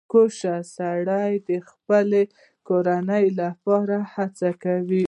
• سختکوش سړی د خپلې کورنۍ لپاره هڅه کوي.